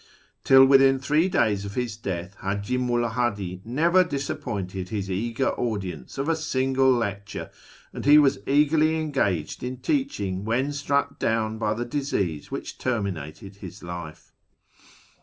Till within three days of his death H;iji Mulla Hadi never disappointed his eager audience of a single lecture, and he was actually engaged in teaching when struck down by the disease which terminated his life.